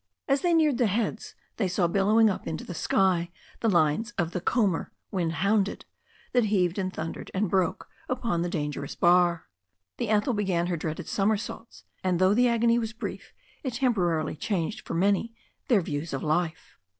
As they neared the heads they saw biUoYJm^ u^ m\.o ^'^ is^j 262 THE STORY OF A NEW ZEALAND RIVER the lines of the "comber, wind hounded/' that heaved and thundered and broke upon the dangerous bar. The Ethel began her dreaded somersaults, and though the agony was brief it temporarily changed for many their views of life.